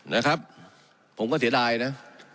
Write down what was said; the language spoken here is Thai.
นะครับผมก็เสียดายนะ